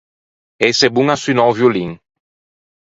Ëse bon à sunnâ o violin.